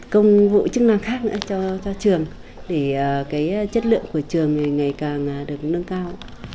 công vụ chức năng khác nữa cho trường để cái chất lượng của trường ngày càng được nâng cao